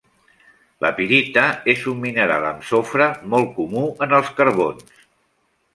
La pirita és un mineral amb sofre molt comú en els carbons.